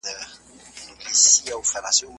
آيا له ټولنپوهنيزو لارو کار اخيستل پکار دي؟